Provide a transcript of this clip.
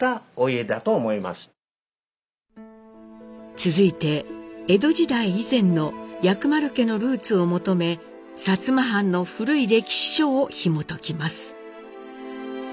続いて江戸時代以前の薬丸家のルーツを求め薩摩藩の古い歴史書をひもときます。